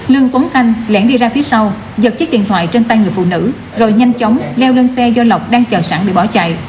lương tuấn khanh lén đi ra phía sau giật chiếc điện thoại trên tay người phụ nữ rồi nhanh chóng leo lên xe do lộc đang chờ sẵn để bỏ chạy